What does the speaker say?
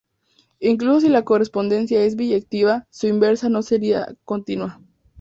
Incluso si la correspondencia es biyectiva su inversa no será continua.